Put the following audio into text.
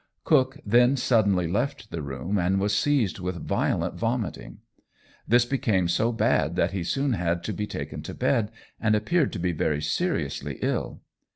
Cook then suddenly left the room, and was seized with violent vomiting. This became so bad that he soon had to be taken to bed, and appeared to be very seriously ill.